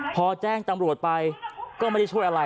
พอแจ้งตำรวจไปก็ไม่ได้ช่วยอะไร